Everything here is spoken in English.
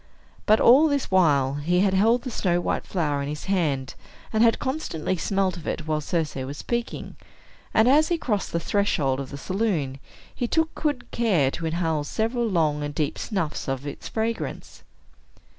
But, all this while, he had held the snow white flower in his hand, and had constantly smelt of it while Circe was speaking; and as he crossed the threshold of the saloon, he took good care to inhale several long and deep snuffs of its fragrance.